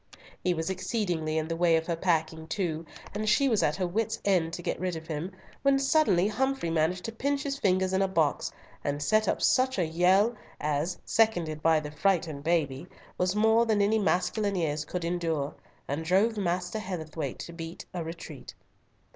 He was exceedingly in the way of her packing too, and she was at her wit's end to get rid of him, when suddenly Humfrey managed to pinch his fingers in a box, and set up such a yell, as, seconded by the frightened baby, was more than any masculine ears could endure, and drove Master Heatherthwayte to beat a retreat.